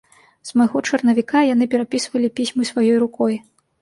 З майго чарнавіка яны перапісвалі пісьмы сваёй рукой.